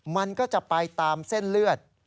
มันก็จะไปตามเส้นเลือด